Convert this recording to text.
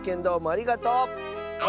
ありがとう！